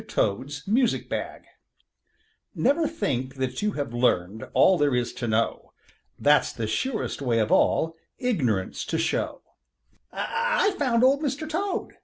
TOAD'S MUSIC BAG Never think that you have learned All there is to know. That's the surest way of all Ignorance to show. "I've found Old Mr. Toad!"